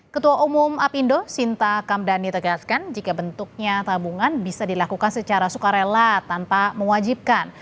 ketua umum apindo sinta kamdhani tegaskan jika bentuknya tabungan bisa dilakukan secara sukarela tanpa mewajibkan